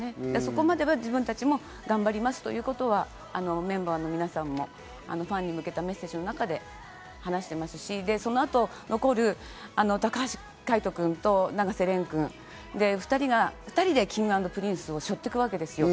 そこまでは自分たちも頑張りますということはメンバーの皆さんもファンに向けたメッセージの中で話ていますし、そのあと残る高橋海人君と永瀬廉君、２人でＫｉｎｇ＆Ｐｒｉｎｃｅを背負っていくわけですよ。